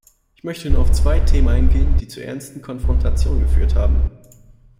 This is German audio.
Ich möchte nur auf zwei Themen eingehen, die zu ernsten Konfrontationen geführt haben.